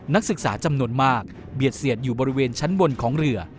นักศึกษาจำนวนมากเบียดเสียดอยู่บริเวณชั้นบนของเรือ